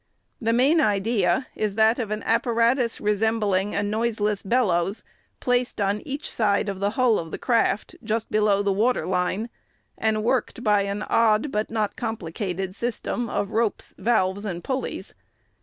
The main idea is that of an apparatus resembling a noiseless bellows, placed on each side of the hull of the craft, just below the water line, and worked by an odd but not complicated system of ropes, valves, and pulleys.